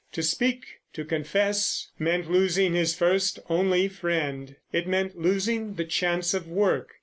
To speak, to confess, meant losing his first, only friend. It meant losing the chance of work.